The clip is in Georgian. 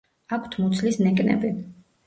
აქვთ მუცლის ნეკნები.